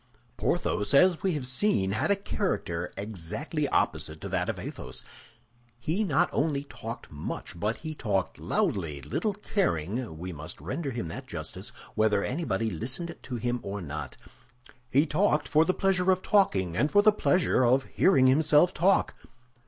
Porthos, as we have seen, had a character exactly opposite to that of Athos. He not only talked much, but he talked loudly, little caring, we must render him that justice, whether anybody listened to him or not. He talked for the pleasure of talking and for the pleasure of hearing himself talk.